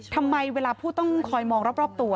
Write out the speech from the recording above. ทำไมเวลาผู้ต้องคอยมองรอบตัว